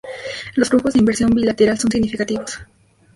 Los flujos de inversión bilateral son significativos.